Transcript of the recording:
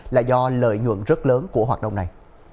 là do lợi nhuận rất lớn của hoạt động này